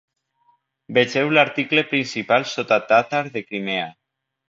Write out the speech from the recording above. Vegeu l'article principal sota tàtar de Crimea.